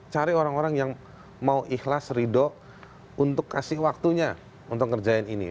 cari orang orang yang mau ikhlas ridho untuk kasih waktunya untuk ngerjain ini